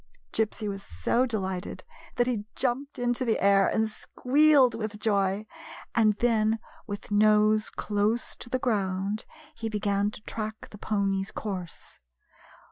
Gypsy was so delighted that he I 1 GYPSY, THE TALKING DOG jumped into the air and squealed with joy, and then with nose close to the ground he began to track the pony's course.